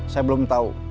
saya belum tahu